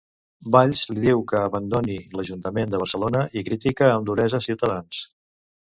Valls li diu que abandoni l'Ajuntament de Barcelona i critica amb duresa Ciutadans.